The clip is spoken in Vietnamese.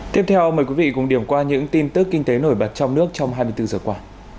tiếp theo mời quý vị cùng điểm qua những tin tức kinh tế nổi bật trong nước trong hai mươi bốn giờ qua